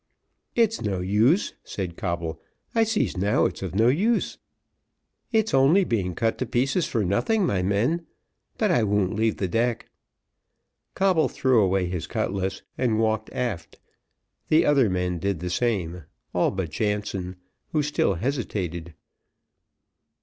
"It's no use," said Coble, "I sees now it's of no use; it's only being cut to pieces for nothing, my men; but I won't leave the deck." Coble threw away his cutlass, and walked aft; the other men did the same, all but Jansen, who still hesitated.